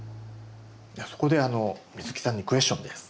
そこで美月さんにクエスチョンです。